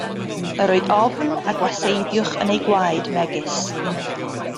Yr oedd ofn a gwaseiddiwch yn eu gwaed, megis.